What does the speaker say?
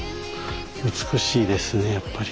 美しいですねやっぱり。